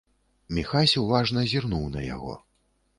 Міхась уважна зірнуў на яго.